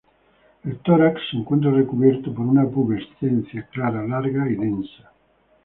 El tórax se encuentra recubierto por una pubescencia clara, larga y densa.